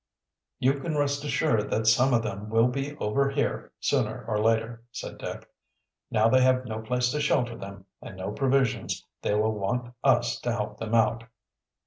"You can rest assured that some of them will be over here sooner or later," said Dick. "Now they have no place to shelter them, and no provisions, they will want us to help them out."